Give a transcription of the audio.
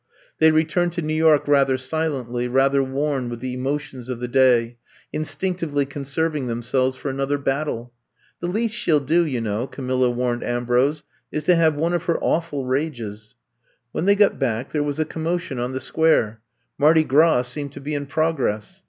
'' They returned to New York rather silently, rather worn with the emotions of the day, instinctively conserving them selves for another battle. The least she '11 do, you know,'* Ca milla warned Ambrose, '4s to have one of her awful rages/' When they got back there was a conuno tion on the Square. Mardi Gras seemed to be in progress.